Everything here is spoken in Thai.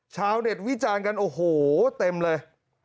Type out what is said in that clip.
ชาวเน็ตวิจารณ์กันโอ้โหเต็มเลย